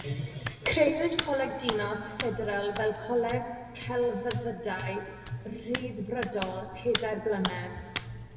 Crëwyd Coleg Dinas Ffederal fel coleg celfyddydau rhyddfrydol pedair blynedd.